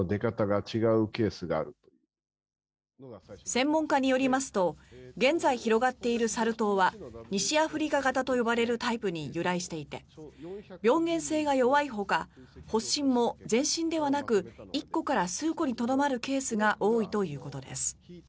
専門家によりますと現在広がっているサル痘は西アフリカ型と呼ばれるタイプに由来していて病原性が弱いほか発疹も全身ではなく１個から数個にとどまるケースが多いということです。